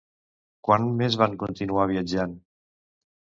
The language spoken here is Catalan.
Quant més van continuar viatjant?